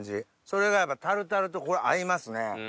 それがやっぱタルタルと合いますね。